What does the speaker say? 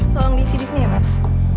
tolong diisi di sini ya mas